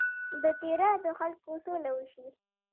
د تیرا د خلکو سوله وشي.